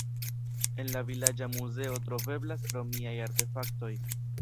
En la vilaĝa muzeo troveblas romiaj artefaktoj.